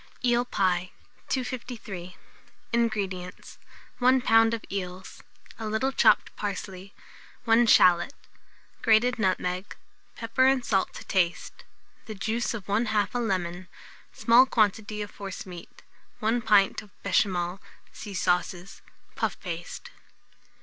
EEL PIE. 253. INGREDIENTS. 1 lb. of eels, a little chopped parsley, 1 shalot; grated nutmeg; pepper and salt to taste; the juice of 1/2 a lemon, small quantity of forcemeat, 1/4 pint of béchamel (see Sauces); puff paste.